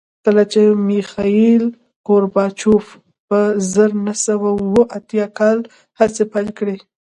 کله چې میخایل ګورباچوف په زر نه سوه اووه اتیا کال هڅې پیل کړې